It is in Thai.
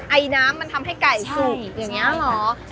ไอน้ำมันทำให้ไก่สูบอย่างนี้เหรอ